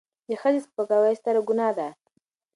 د ښځې سپکاوی ستره ګناه ده.